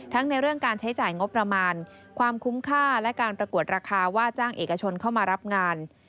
ในเรื่องการใช้จ่ายงบประมาณความคุ้มค่าและการประกวดราคาว่าจ้างเอกชนเข้ามารับงาน